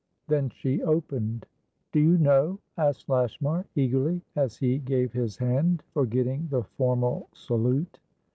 Then she opened. "Do you know?" asked Lashmar, eagerly, as he gave his hand, forgetting the formal salute.